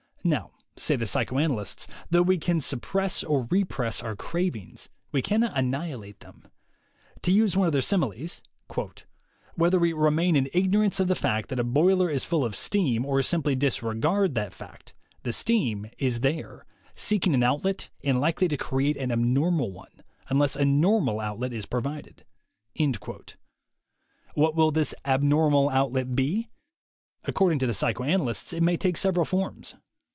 Now, say the psychoanalysts, though we can sup press or repress our cravings, we cannot annihilate them. To use one of their similes : "Whether we remain in ignorance of the fact that a boiler is full of steam or simply disregard that fact, the steam is there, seeking an outlet and likely to create an abnormal one, unless a normal outlet is provided." What will this "abnormal outlet" be? Accord 94 THE WAY TO WILL POWER ing to the psychoanalysts, it may take several forms.